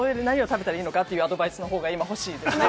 何を食べたらいいのかというアドバイスの方が今、欲しいです。